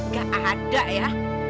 gak ada ya